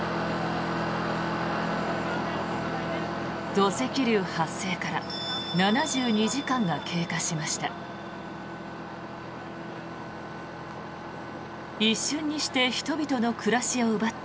土石流発生から７２時間が経過しました。